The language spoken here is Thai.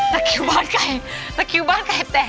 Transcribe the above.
ตะคิวบ้านไก่ตะคิวบ้านไก่แตก